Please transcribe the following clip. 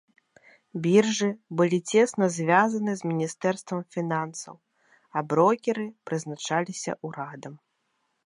Біржы былі цесна звязаны з міністэрствам фінансаў, а брокеры прызначаліся ўрадам.